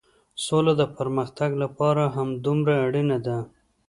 سوله د پرمختګ لپاره همدومره اړينه ده.